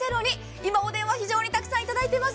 今、お電話非常に沢山いただいています。